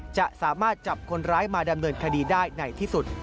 จะสามารถจับคนร้ายมาดำเนินคดีได้ในที่สุด